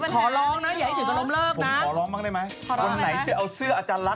โธ่ผมจะมีปัญหา